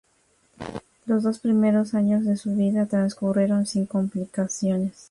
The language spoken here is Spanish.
Los dos primeros años de su vida transcurrieron sin complicaciones.